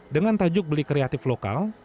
dengan tajuk beli kreatif lokal